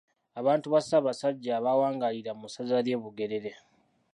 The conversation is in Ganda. Abantu ba Ssaabasajja abawangaalira mu ssaza ly’e Bugerere.